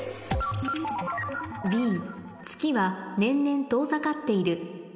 「Ｂ月は年々遠ざかっている」